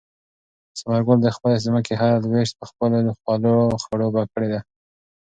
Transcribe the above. ثمر ګل د خپلې ځمکې هره لوېشت په خپلو خولو خړوبه کړې ده.